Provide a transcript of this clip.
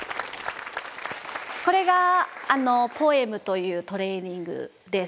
これがポエムというトレーニングです。